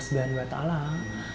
saya lebih bisa dekat dengan allah